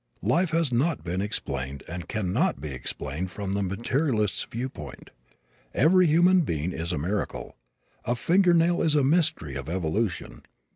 Life has not been explained and cannot be explained from the materialist's viewpoint. Every human being is a miracle. A fingernail is a mystery of evolution.